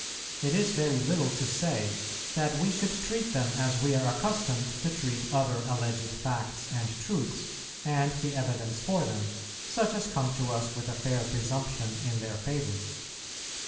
It is very little to say that we should treat them as we are accustomed to treat other alleged facts and truths and the evidence for them, such as come to us with a fair presumption in their favour.